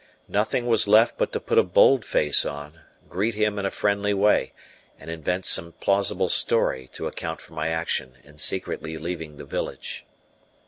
Nothing was left but to put a bold face on, greet him in a friendly way, and invent some plausible story to account for my action in secretly leaving the village.